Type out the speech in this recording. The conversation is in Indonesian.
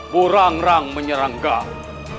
burangrang menyerang galus